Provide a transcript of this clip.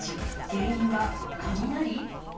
原因は雷？